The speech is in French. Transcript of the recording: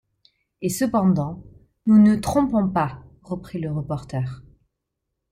Et cependant nous ne nous trompons pas, reprit le reporter